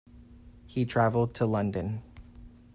He traveled to London.